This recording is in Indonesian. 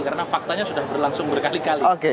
karena faktanya sudah berlangsung berkali kali